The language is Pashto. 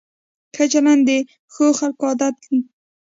ښه چلند د ښو خلکو عادت وي.